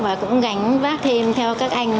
và cũng gánh vác thêm theo các anh